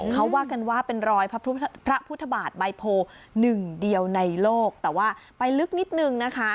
เขาว่ากันว่าเป็นรอยพระพุทธบาทใบโพหนึ่งเดียวในโลกแต่ว่าไปลึกนิดนึงนะคะ